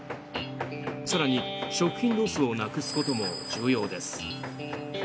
更に、食品ロスをなくすことも重要です。